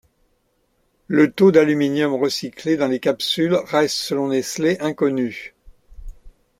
Le taux d’aluminium recyclé dans les capsules reste, selon Nestlé, inconnu.